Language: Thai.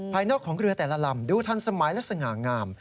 นอกของเรือแต่ละลำดูทันสมัยและสง่างาม